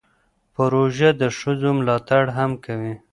پروژه د ښځو ملاتړ هم کوي.